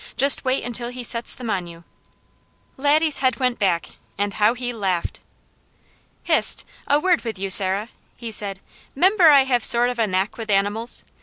Just wait until he sets them on you." Laddie's head went back and how he laughed. "Hist! A word with you, Sarah!" he said. "'Member I have a sort of knack with animals.